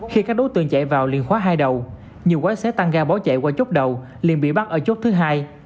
khi các đối tượng chạy vào liền khóa hai đầu nhiều quái sẽ tăng ga bỏ chạy qua chốt đầu liền bị bắt ở chốt thứ hai